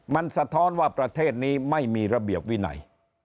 มันสะท้อนว่าประเทศนี้ไม่มีระเบียบวินัย